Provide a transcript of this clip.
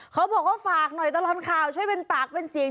เขาบอกว่าฝากหน่อยตลอดข่าวช่วยเป็นปากเป็นเสียง